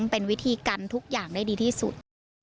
เป็นวิธีการทุกอย่างได้ดีที่สุด